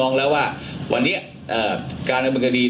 ออกจากรายการหรือไม่ออกเนี่ย